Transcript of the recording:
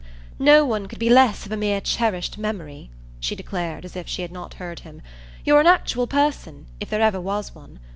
"No one could be less of a mere cherished memory," she declared as if she had not heard him. "You're an actual person, if there ever was one.